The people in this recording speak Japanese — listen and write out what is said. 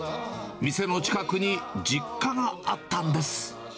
店の近くに実家があったんです。